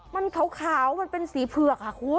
มันขาวมันเป็นสีเผือกค่ะคุณ